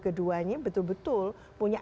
keduanya betul betul punya